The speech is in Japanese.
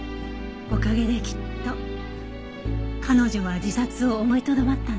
おかげできっと彼女は自殺を思いとどまったんです。